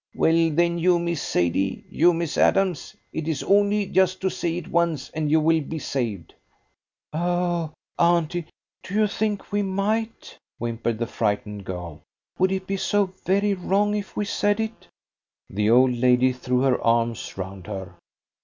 "Well then, you, Miss Sadie? You, Miss Adams? It is only just to say it once, and you will be saved." "Oh, auntie, do you think we might?" whimpered the frightened girl. "Would it be so very wrong if we said it?" The old lady threw her arms round her.